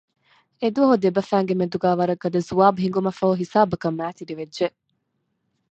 އެދުވަހު ދެބަފައިންގެ މެދުގައި ވަރަށް ގަދަ ޒުވާބު ހިނގުމަށްފަހު ހިސާބަކަށް މައިތިރިވެއްޖެ